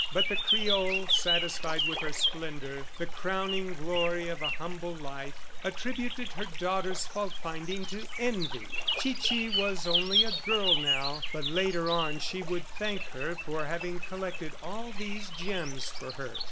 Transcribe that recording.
But the Creole, satisfied with her splendor, the crowning glory of a humble life, attributed her daughter's faultfinding to envy. Chichi was only a girl now, but later on she would thank her for having collected all these gems for her.